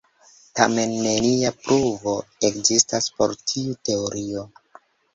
Tamen nenia pruvo ekzistas por tiu teorio.